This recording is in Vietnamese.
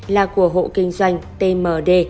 là của hộ kinh doanh tmd